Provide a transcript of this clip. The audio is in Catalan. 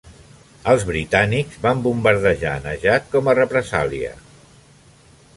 Els britànics van bombardejar Najd com a represàlia.